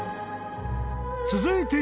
［続いて］